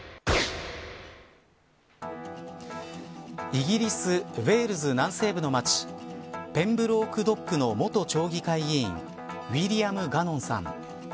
イギリスウエールズ南西部の町ペンブローク・ドックの元町議会議員ウィリアム・ガノンさん。